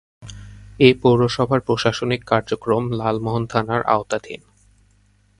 এ পৌরসভার প্রশাসনিক কার্যক্রম লালমোহন থানার আওতাধীন।